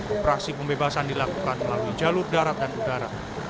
operasi pembebasan dilakukan melalui jalur darat dan udara